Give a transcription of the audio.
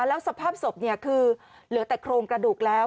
แล้วสภาพศพคือเหลือแต่โครงกระดูกแล้ว